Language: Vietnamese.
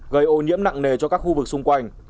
gây ô nhiễm nặng nề cho các khu vực xung quanh